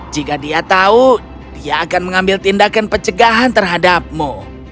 jika dia tahu dia akan mengambil tindakan pencegahan terhadapmu